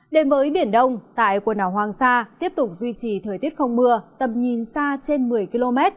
đến với biển đông tại quần đảo hoàng sa tiếp tục duy trì thời tiết không mưa tầm nhìn xa trên một mươi km